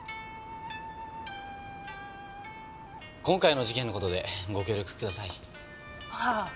今回の事件の事でご協力ください。